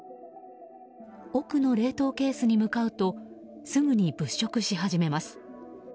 奥の冷凍ケースに向かうとすぐに物色し始めます。